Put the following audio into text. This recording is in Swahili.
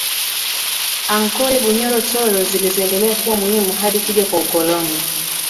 Ankole Bunyoro Toro zilizoendelea kuwa muhimu hadi kuja kwa ukoloni